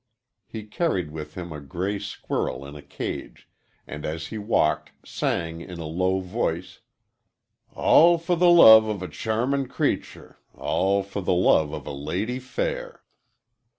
He carried with him a gray squirrel in a cage, and, as he walked, sang in a low voice: "All for the love of a charmin' creature, All for the love of a lady fair."